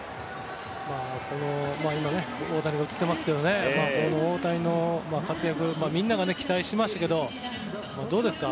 大谷が映っていますが大谷の活躍みんなが期待しましたけどどうですか？